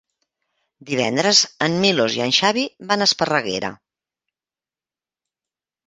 Divendres en Milos i en Xavi van a Esparreguera.